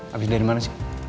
habis dari mana sih